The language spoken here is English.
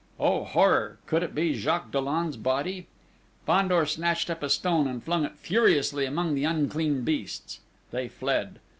Oh, horror! Could it be Jacques Dollon's body? Fandor snatched up a stone and flung it furiously among the unclean beasts. They fled.